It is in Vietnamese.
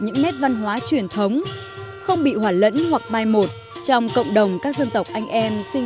những nét văn hóa truyền thống không bị hòa lẫn hoặc mai một trong cộng đồng các dân tộc anh em sinh